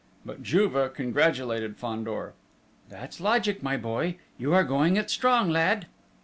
But Juve congratulated Fandor. "That's logic, my boy! You are going it strong, lad!"